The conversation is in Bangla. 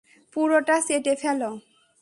পুরোটা চেটে ফেলো!